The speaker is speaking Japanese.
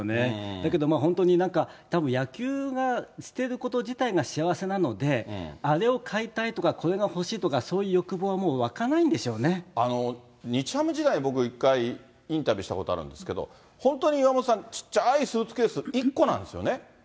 だけど、本当に、たぶん野球が、してること自体が幸せなので、あれを買いたいとか、これが欲しいとか、そういう欲望はもう、日ハム時代、僕１回インタビューしたことあるんですけど、本当に岩本さん、ちっちゃいスーツケース、１個なんですよね。